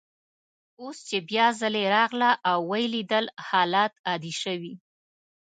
اوس چي بیا ځلې راغله او ویې لیدل، حالات عادي شوي.